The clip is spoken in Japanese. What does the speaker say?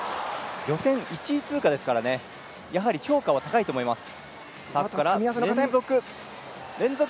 予選１位通過ですからやはり評価は高いと思います。